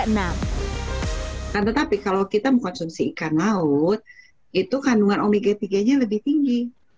karena tetapi kalau kita mengkonsumsi ikan laut itu kandungan omega tiga nya lebih tinggi